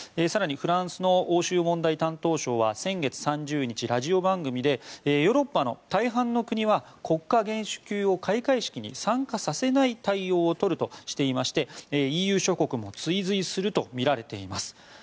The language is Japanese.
更にフランスの欧州問題担当相は先月３０日、ラジオ番組でヨーロッパの大半の国は国家元首級を開会式に参加させない対応を取るとしていましてＥＵ諸国も追随するとみられています。